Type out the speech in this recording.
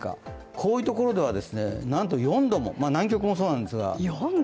こういうところではなんと４度も南極もそうなんですが。